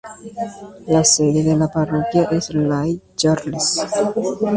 La sede de la parroquia es Lake Charles.